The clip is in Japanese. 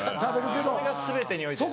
それが全てにおいてです。